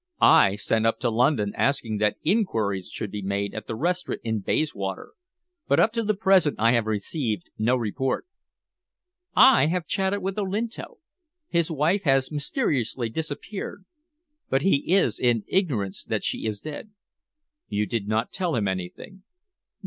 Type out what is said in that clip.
"I sent up to London asking that inquiries should be made at the restaurant in Bayswater, but up to the present I have received no report." "I have chatted with Olinto. His wife has mysteriously disappeared, but he is in ignorance that she is dead." "You did not tell him anything?"